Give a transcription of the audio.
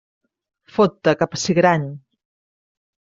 Fot-te, capsigrany!